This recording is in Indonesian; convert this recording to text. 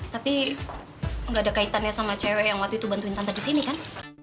tapi gak ada kaitannya sama cewek yang waktu itu bantuin tante disini kan